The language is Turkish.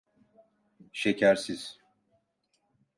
Şekersiz.